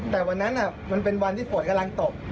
แต่วันนั้นมันเป็นวันที่ฝนกำลังตก